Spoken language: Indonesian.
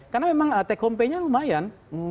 karena memang take home pay nya lumayan